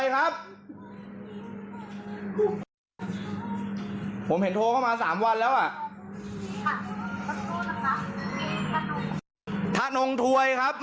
ฮัลโหลครับ